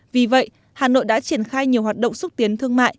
vì vậy hà nội đã triển khai nhiều hoạt động xúc tiến thương mại